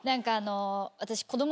私。